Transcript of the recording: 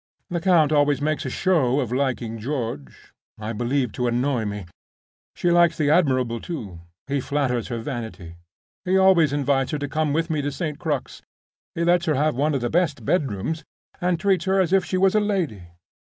Lecount always makes a show of liking George—I believe to annoy me. She likes the admiral, too; he flatters her vanity. He always invites her to come with me to St. Crux. He lets her have one of the best bedrooms, and treats her as if she was a lady.